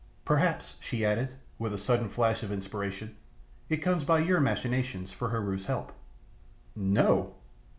Perhaps," she added, with a sudden flash of inspiration, "it comes by your machinations for Heru's help." "No!"